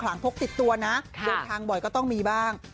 ลงทางบ่อยต้องมีบ้าง